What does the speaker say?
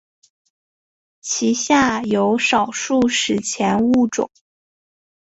其下有少数史前物种。